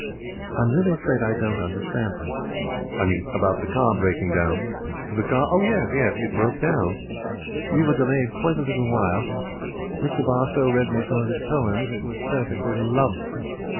'I'm really afraid I don't understand.' 'I mean, about the car breaking down.' 'The car? Oh, yes. Yes, it broke down. We were delayed quite a little while. Mr Barstowe read me some of his poems. It was perfectly lovely.